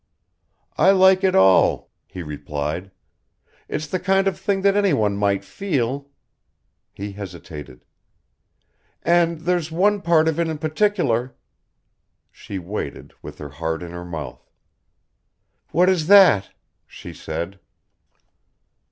"I like it all," he replied. "It's the kind of thing that anyone might feel." He hesitated. "And there's one part of it in particular " She waited, with her heart in her mouth. "What is that?" she said.